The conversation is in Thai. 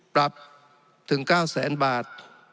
ปรับถึง๙๐๐๐๐๐บาท